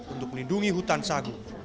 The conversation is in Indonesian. untuk melindungi hutan sagu